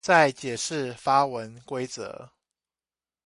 在解釋發文規則